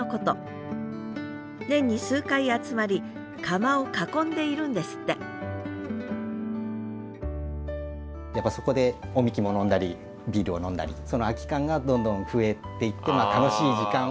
年に数回集まり窯を囲んでいるんですってやっぱそこでお神酒も飲んだりビールを飲んだりその空き缶がどんどん増えていって楽しい時間をその。